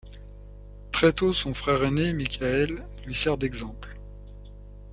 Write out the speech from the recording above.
Très tôt son frère aîné Michael, lui sert d’exemple.